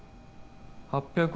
８００億